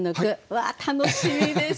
わあ楽しみです！